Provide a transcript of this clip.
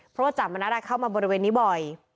เพราะว่าจับมณัฐเข้ามาบริเวณนี้บ่อย